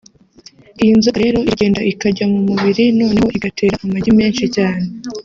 Iyi nzoka rero iragenda ikajya mu mubiri noneho igatera amagi menshi cyane